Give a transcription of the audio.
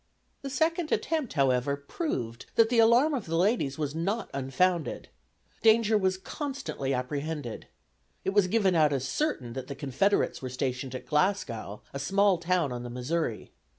The second attempt, however, proved that the alarm of the ladies was not unfounded. Danger was constantly apprehended. It was given out as certain that the Confederates were stationed at Glasgow, a small town on the Missouri.